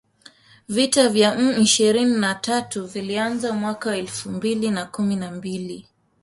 Vita vya M ishirini na tatu vilianza mwaka elfu mbili kumi na mbili